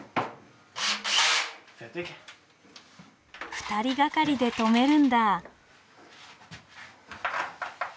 ２人がかりで留めるんだ。